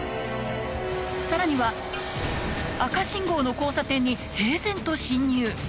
さらには赤信号の交差点に平然と進入